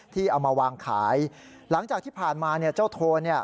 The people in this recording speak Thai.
ที่เอามาวางขายหลังจากที่ผ่านมาเนี่ยเจ้าโทน